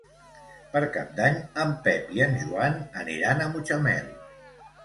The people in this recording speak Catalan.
Per Cap d'Any en Pep i en Joan aniran a Mutxamel.